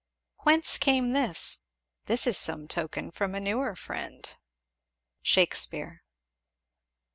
Whence came this? This is some token from a newer friend. Shakspeare.